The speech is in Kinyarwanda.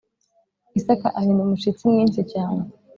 Isaka ahinda umushyitsi mwinshi cyane